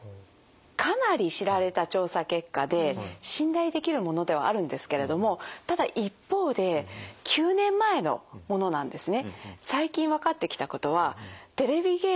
かなり知られた調査結果で信頼できるものではあるんですけれどもただ一方で９年前のものなんですね。